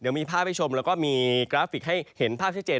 เดี๋ยวมีภาพให้ชมแล้วก็มีกราฟิกให้เห็นภาพชัดเจน